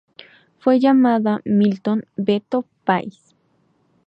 Fue llamada "Milton "Beto" Pais".